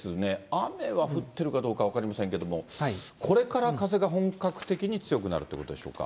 雨は降ってるかどうか分かりませんけれども、これから風が本格的に強くなるってことでしょうか。